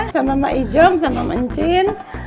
sama mak ijong sama mencin